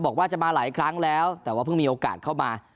บอกว่าจะมาหลายครั้งแล้วแต่ว่าเพิ่งมีโอกาสเข้ามา